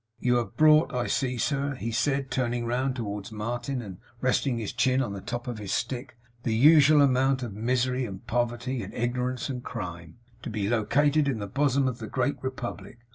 'You have brought, I see, sir,' he said, turning round towards Martin, and resting his chin on the top of his stick, 'the usual amount of misery and poverty and ignorance and crime, to be located in the bosom of the great Republic.